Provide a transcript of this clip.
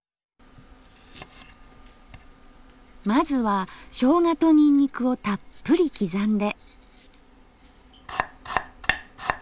まずはしょうがとニンニクをたっぷり刻んで。